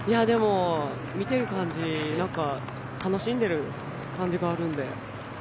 でも、見ている感じ楽しんでる感じがあるんで。